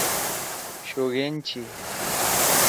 شوگین چھی۔